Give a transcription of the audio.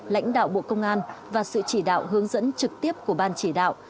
lãnh đạo bộ công an và sự chỉ đạo hướng dẫn trực tiếp của ban chỉ đạo